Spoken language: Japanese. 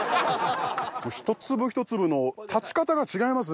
ひと粒ひと粒の立ち方が違いますね。